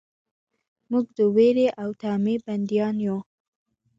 موږ د ویرې او طمعې بندیان یو.